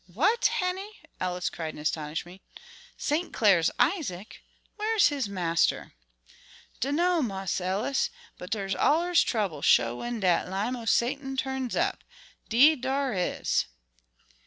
"What, Henny!" Ellis cried in astonishment; "St. Clair's Isaac? Where's his master?" "Dunno Marse Ellis, but dar's allers truble, sho, when dat lim' o' Satan turns up; 'deed dar is."